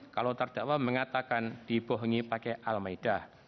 kalau terdakwa mengatakan dibohongi pakai al ⁇ maidah